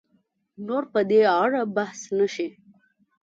نور په دې اړه بحث نه شي